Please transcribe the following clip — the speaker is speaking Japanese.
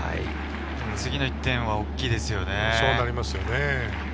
次の１点は大きいですよね。